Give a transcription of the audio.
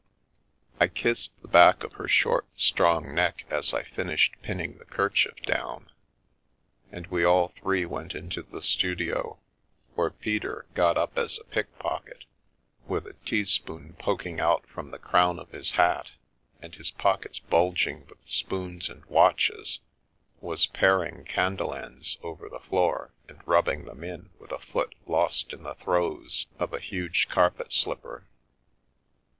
I kissed the back of her short, strong neck as I finished pinning the kerchief down, and we all three went into the studio, where Peter, got up as a pickpocket, with a tea spoon poking out from the crown of his hat and his pockets bulging with spoons and watches, was paring candle ends over the floor and rubbing them in with a foot lost in the throes of a huge carpet slipper.